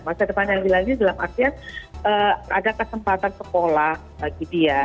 masa depan yang dilanjut dalam artian ada kesempatan sekolah bagi dia